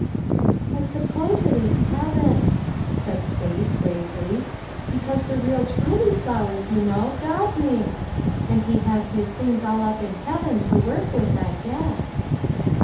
" I suppose it is heaven," said Sate, gravely, " because the real truly flowers, you know, God makes, and he has his things all up in heaven to work with, I guess."